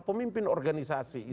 pemimpin organisasi islam